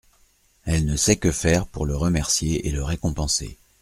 Elle ne sait que faire pour le remercier et le récompenser.